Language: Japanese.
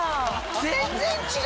全然違う！